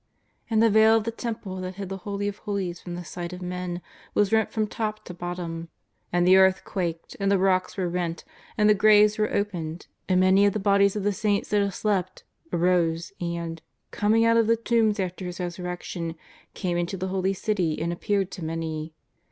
And the veil of the Temple that hid the Holy of Holies from the sight of men was rent from top to bottom. And the earth quaked, and the rocks were rent, and the graves were opened, and many of the bodies of the saints that had slept arose, and, coming out of the tombs after His Kesurrection, came into the holy City and appeared to many.